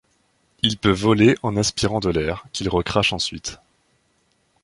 Il peut voler en aspirant de l'air, qu'il recrache ensuite.